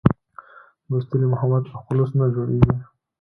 دوستي له محبت او خلوص نه جوړیږي.